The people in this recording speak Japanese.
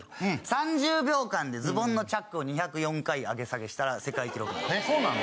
３０秒間でズボンのチャックを２０４回上げ下げしたら世界記録えっそうなの？